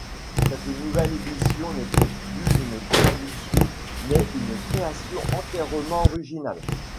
Cette nouvelle édition n'était plus une traduction mais une création entièrement originale.